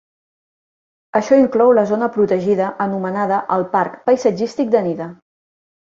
Això inclou la zona protegida anomenada el Parc Paisatgístic de Nida.